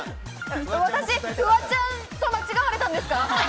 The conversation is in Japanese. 私フワちゃんと間違われたんですか？